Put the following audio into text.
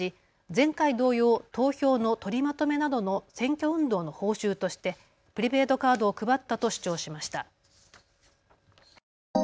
前回同様、投票の取りまとめなどの選挙運動の報酬としてプリペイドカードを配ったと主張しました。